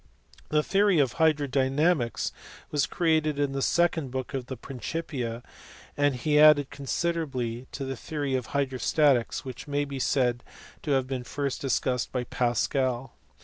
The theory of hydro dynamics was created in the second book of the Principia, and he added considerably to the theory of hydrostatics which may be said to have been first discussed by Pascal.